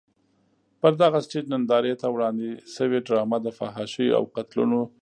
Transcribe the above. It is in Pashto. پر دغه سټېج نندارې ته وړاندې شوې ډرامه د فحاشیو او قتلونو صحنې لري.